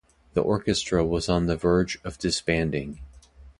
The orchestra was on the verge of disbanding.